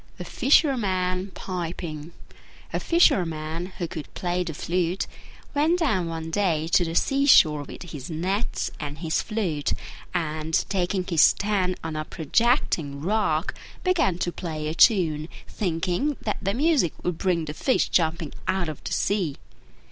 THE FISHERMAN PIPING A Fisherman who could play the flute went down one day to the sea shore with his nets and his flute; and, taking his stand on a projecting rock, began to play a tune, thinking that the music would bring the fish jumping out of the sea.